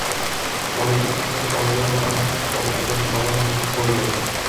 পরের সপ্তাহে পর্যালোচনা পর্ষদের সবাই মিটিং করবে।